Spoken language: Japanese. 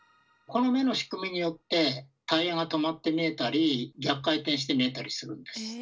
この目の仕組みによってタイヤが止まって見えたり逆回転して見えたりするんです。